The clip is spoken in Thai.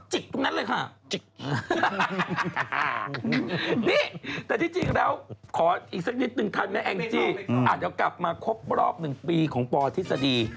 หรืออาจจะกลับกลับมาครบ๑ปีของปอธิษฎี